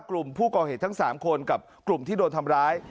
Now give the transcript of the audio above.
กลุ่มผู้ก่อเหตุทั้ง๓คนกับกลุ่มที่โดนทำร้าย